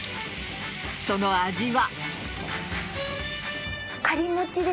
その味は。